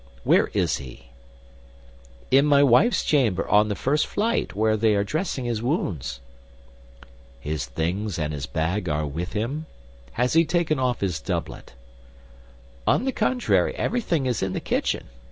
Where is he?" "In my wife's chamber, on the first flight, where they are dressing his wounds." "His things and his bag are with him? Has he taken off his doublet?" "On the contrary, everything is in the kitchen.